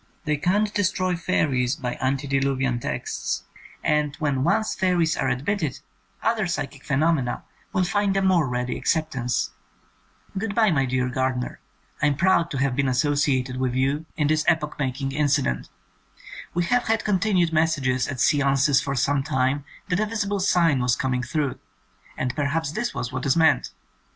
They can't destroy fairies by antediluvian texts, and when once fairies are admitted other psychic phenomena will find a more ready acceptance. Good bye, my dear Gardner, I am proud to have been associated with you in this 98 THE SECOND SERIES epoch making incident. We have had con tinued messages at seances for some time that a visible sign was coming through — and perhaps this was what is meant.